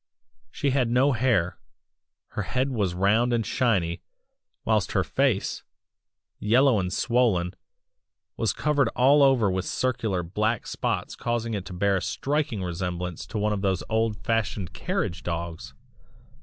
"She had no hair; her head was round and shiny, whilst her face, yellow and swollen, was covered all over with circular black spots causing it to bear a striking resemblance to one of those old fashioned carriage dogs!!!